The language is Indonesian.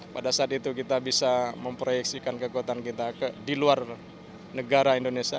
pada saat itu kita bisa memproyeksikan kekuatan kita di luar negara indonesia